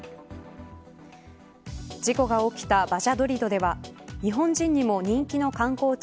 事故が起きたバジャドリドでは日本人にも人気の観光地